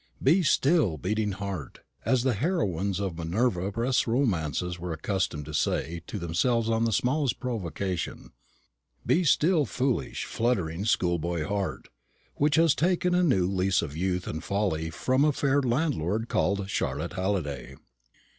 Be still, beating heart! as the heroines of Minerva press romances were accustomed to say to themselves on the smallest provocation. Be still, foolish, fluttering, schoolboy heart, which has taken a new lease of youth and folly from a fair landlord called Charlotte Halliday.